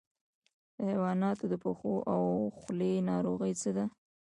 د حیواناتو د پښو او خولې ناروغي څه ده؟